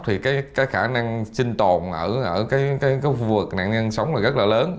thì cái khả năng sinh tồn ở cái vùng nạn nhân sống là rất là lớn